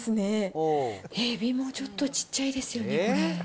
えびもちょっとちっちゃいですよね、これ。